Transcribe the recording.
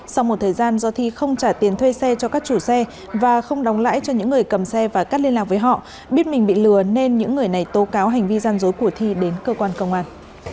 sau một thời gian do thi không trả tiền thuê xe cho các chủ xe và không đóng lãi cho những người cầm xe và cắt liên lạc với họ biết mình bị lừa nên những người này tố cáo hành vi gian dối của thi đến cơ quan công an